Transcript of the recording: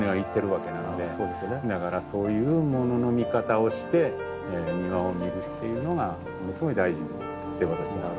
だからそういうものの見方をして庭を見るっていうのがものすごい大事って私は。